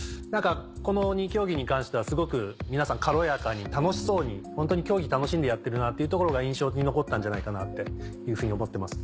この２競技に関してはすごく皆さん軽やかに楽しそうにホントに競技楽しんでやってるなっていうところが印象に残ったんじゃないかなっていうふうに思ってます。